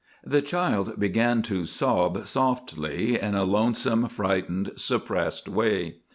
The child began to sob softly, in a lonesome, frightened, suppressed way.